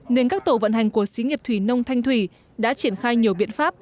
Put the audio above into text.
nên các tổ vận hành của xí nghiệp thủy nông thanh thủy đã triển khai nhiều biện pháp